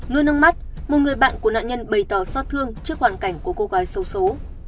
nói nắng mắt một người bạn của nạn nhân bày tỏ xót thương trước hoàn cảnh của cô gái xấu xố